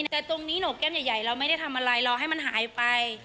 แต่ตรงนี้โหนกแก้มใหญ่เราไม่ได้ทำอะไรรอให้มันหายไป